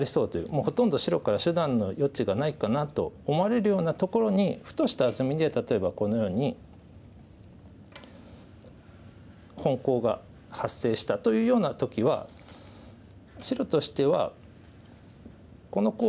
もうほとんど白から手段の余地がないかなと思われるようなところにふとしたはずみで例えばこのように本コウが発生したというような時は白としてはこのコウに負けてもう１回。